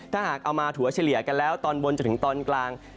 ถ้าหากเอามาถั่วเฉลี่ยกันแล้วตอนบนจนถึงตอนกลาง